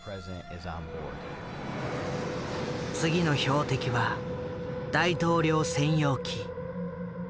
次の標的は大統領専用機。